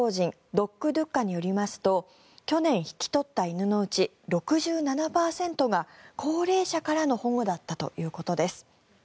ＤＯＧＤＵＣＡによりますと去年引き取った犬のうち６７％が高齢者からの保護だったということです。